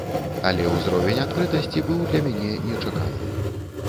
Але ўзровень адкрытасці быў для мяне нечаканым.